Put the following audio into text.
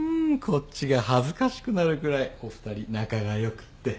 こっちが恥ずかしくなるぐらいお二人仲が良くって。